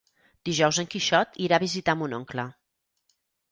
Dijous en Quixot irà a visitar mon oncle.